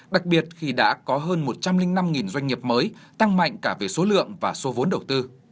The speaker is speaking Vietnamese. đặc biệt khi đã có hơn một trăm linh năm doanh nghiệp mới tăng mạnh cả về số lượng và số vốn đầu tư